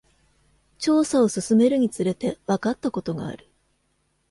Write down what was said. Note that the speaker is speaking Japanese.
調査を進めるにつれて、わかったことがある。